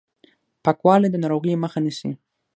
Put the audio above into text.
پاکوالی د ناروغیو مخه نیسي